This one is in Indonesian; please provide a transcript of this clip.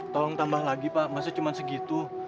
tolong tambah lagi pak maksudnya cuma segitu